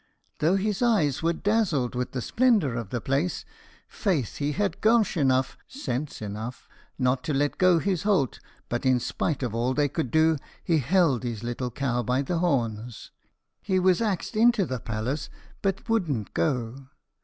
Though his eyes were dazzled with the splendour of the place, faith he had gomsh enough not to let go his holt, but in spite of all they could do, he held his little cow by the horns. He was axed into the palace, but wouldn't go.